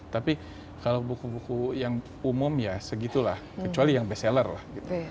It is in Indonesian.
tapi kalau buku buku yang umum ya segitu lah kecuali yang best seller lah gitu